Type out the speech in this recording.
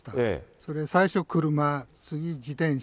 それ最初車、次、自転車、